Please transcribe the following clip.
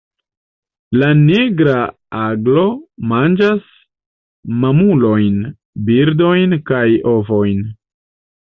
La Nigra aglo manĝas mamulojn, birdojn kaj ovojn.